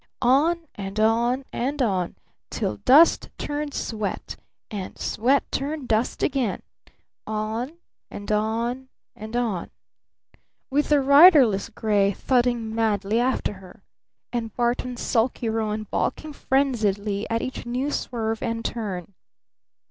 On and on and on! Till dust turned sweat! And sweat turned dust again! On and on and on! With the riderless gray thudding madly after her! And Barton's sulky roan balking frenziedly at each new swerve and turn!